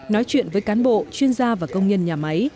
nói chuyện với cán bộ chuyên gia và công nhân nhà máy